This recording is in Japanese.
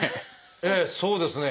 ええそうですね。